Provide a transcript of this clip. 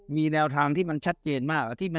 มีแนวทางที่มันชัดเจนมาก